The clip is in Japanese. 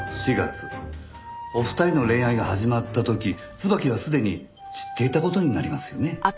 お二人の恋愛が始まった時椿はすでに散っていた事になりますよね？